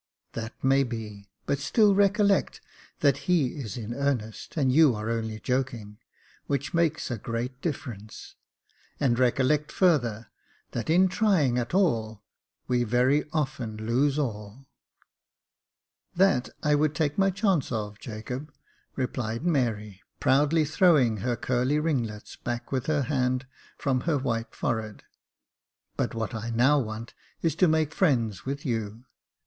" That may be ; but still recollect that he is in earnest, and you are only joking, which makes a great difference j and recollect further, that in trying at all, we very often lose all." "That I would take my chance of, Jacob," replied Mary, proudly throwing her curly ringlets back with her hand from her white forehead ;" but what I now want is to make friends with you.